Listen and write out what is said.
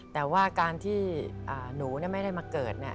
แต่ว่าการที่หนูไม่ได้มาเกิด